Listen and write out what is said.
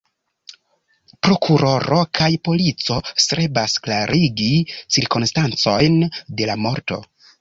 Prokuroro kaj polico strebas klarigi cirkonstancojn de la morto.